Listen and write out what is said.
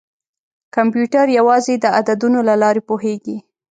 کمپیوټر یوازې د عددونو له لارې پوهېږي.